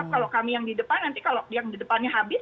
kalau kami yang di depan nanti kalau yang di depannya habis